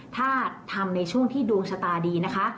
ถ้าทำในช่วงที่ดวงชะตาดีนะคะ